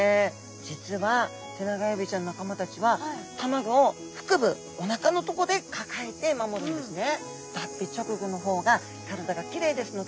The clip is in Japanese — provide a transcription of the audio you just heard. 実はテナガエビちゃんの仲間たちは卵を腹部おなかのとこで抱えて守るんですね！